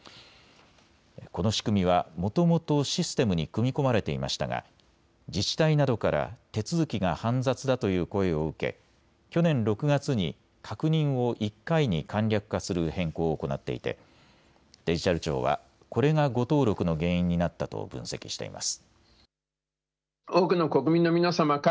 この仕組みはもともとシステムに組み込まれていましたが自治体などから手続きが煩雑だという声を受け、去年６月に確認を１回に簡略化する変更を行っていてデジタル庁はこれが誤登録の原因になったと分析しています。